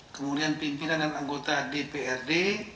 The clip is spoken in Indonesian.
kemudian pimpinan dan anggota dprd